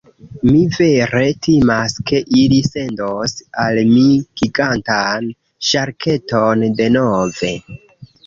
Mi vere timas ke ili sendos al mi gigantan ŝarketon denove.